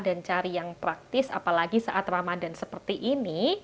dan cari yang praktis apalagi saat ramadhan seperti ini